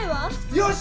よし！